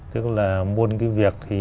tức là môn cái việc thì